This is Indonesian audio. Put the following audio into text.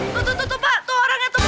tuh tuh tuh pak orangnya tuh pak